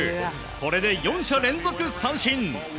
これで４者連続三振。